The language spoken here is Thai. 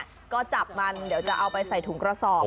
ก็จับมันเดี๋ยวจะเอาไปใส่ถุงกระสอบ